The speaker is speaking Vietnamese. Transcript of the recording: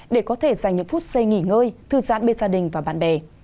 để có thể dành những phút xây nghỉ ngơi thư giãn bên gia đình và bạn bè